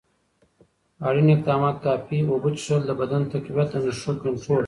اړین اقدامات: کافي اوبه څښل، د بدن تقویت، د نښو کنټرول.